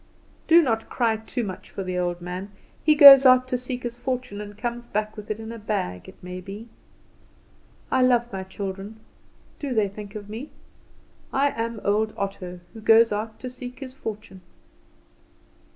"Do not cry too much for the old man. He goes out to seek his fortune, and comes back with it in a bag, it may be. "I love my children. Do they think of me? I am Old Otto, who goes out to seek his fortune.